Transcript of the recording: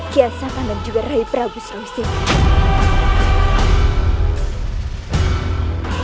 kian satan dan juga raih prabu seluruh sini